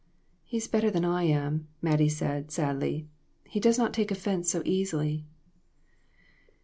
"He's better than I am," Mattie said, sadly; "he does not take offense so easily."